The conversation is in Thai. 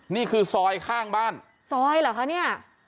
นี่คือซอยข้างบ้านซอยเหรอคะเนี่ย